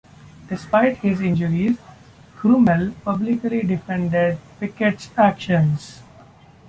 Despite his injuries, Krummel publicly defended Pickett's actions.